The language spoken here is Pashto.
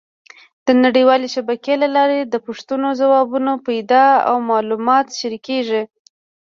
د نړیوالې شبکې له لارې د پوښتنو ځوابونه پیدا او معلومات شریکېږي.